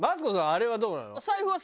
あれはどうなの？